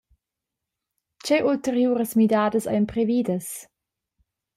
Tgei ulteriuras midadas ein previdas?